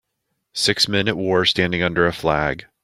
Six men at war standing under a flag.